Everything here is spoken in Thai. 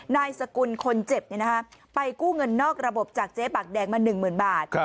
นายสกุลคนเจ็บไปกู้เงินนอกระบบจากเจ๊ปากแดงมา๑๐๐๐บาท